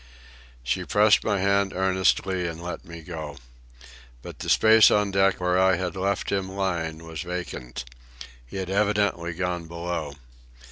She pressed my hand earnestly and let me go. But the space on deck where I had left him lying was vacant. He had evidently gone below.